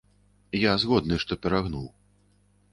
Я згодны, што перагнуў.